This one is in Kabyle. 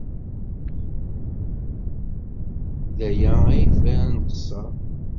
D aya ayɣef ara nqeṣṣer.